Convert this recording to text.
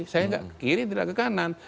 saya tidak kiri tidak ke kanan